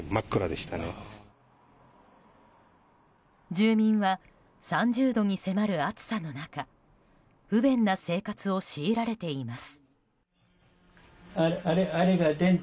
住民は３０度に迫る暑さの中不便な生活を強いられています。